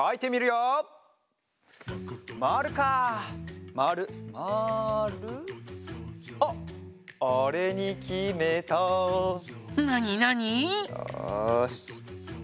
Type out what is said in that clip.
よし。